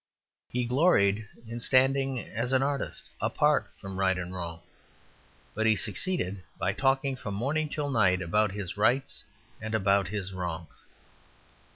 He gloried in standing as an artist apart from right and wrong. But he succeeded by talking from morning till night about his rights and about his wrongs.